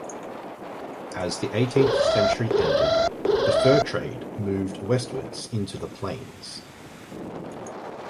As the eighteenth century ended, the fur trade moved westwards into the Plains.